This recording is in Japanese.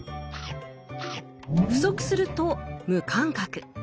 不足すると「無感覚」。